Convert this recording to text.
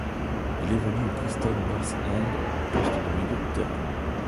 Il évolue au Preston North End au poste de milieu de terrain.